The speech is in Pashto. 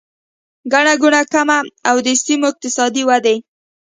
ګڼه ګوڼه کمه او د سیمو اقتصادي ودې